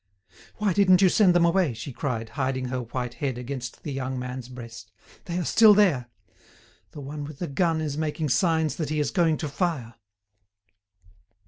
"Why didn't you send them away?" she cried, hiding her white head against the young man's breast. "They are still there. The one with the gun is making signs that he is going to fire."